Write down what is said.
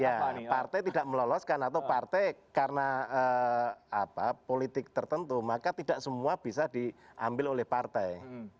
ya partai tidak meloloskan atau partai karena politik tertentu maka tidak semua bisa diambil oleh partai